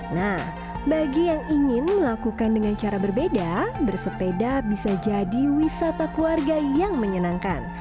nah bagi yang ingin melakukan dengan cara berbeda bersepeda bisa jadi wisata keluarga yang menyenangkan